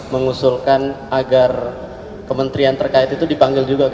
mengusulkan agar kementerian terkait itu dipanggil juga